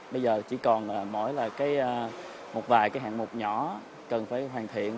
bây giờ chỉ còn mỗi một vài hạng mục nhỏ cần phải hoàn thiện